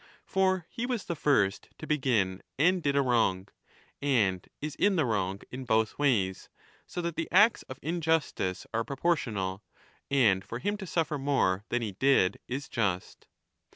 For he was the first to begin and did a wrong, and is in the wrong in both I194 ways, so that the acts of injustice are proportional, and for him to suffer more than he did is just.